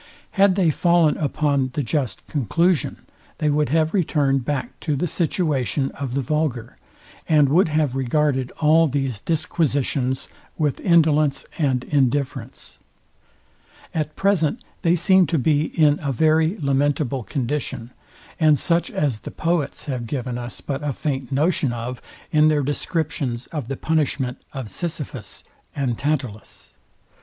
Had they fallen upon the just conclusion, they would have returned back to the situation of the vulgar, and would have regarded all these disquisitions with indolence and indifference. At present they seem to be in a very lamentable condition, and such as the poets have given us but a faint notion of in their descriptions of the punishment of Sisyphus and Tantalus.